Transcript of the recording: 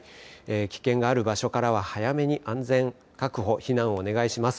危険がある場所からは早めに安全確保、避難をお願いします。